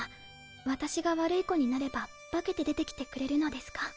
私が悪い子になれば化けて出てきてくれるのですか？